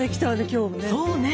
今日もね。